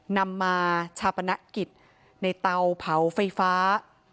นำมาชาปนกิจในเตาเผาไฟฟ้า